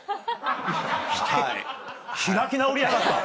開き直りやがった！